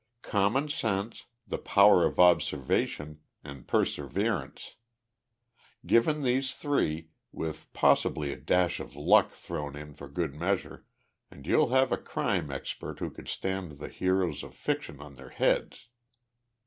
"Common sense, the power of observation, and perseverance. Given these three, with possibly a dash of luck thrown in for good measure, and you'll have a crime expert who could stand the heroes of fiction on their heads.